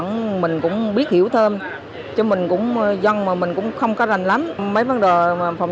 mình cũng biết hiểu thêm chứ mình cũng dân mà mình cũng không có rành lắm mấy vấn đề mà phòng